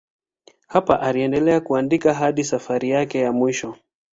Hapa aliendelea kuandika hadi safari yake ya mwisho.